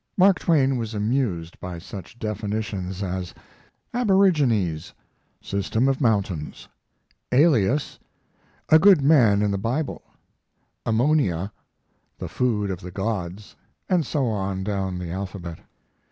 Mark Twain was amused by such definitions as: "Aborigines, system of mountains"; "Alias a good man in the Bible"; "Ammonia the food of the gods," and so on down the alphabet.